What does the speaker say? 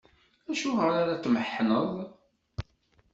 Acuɣer ara tmeḥḥneɣ?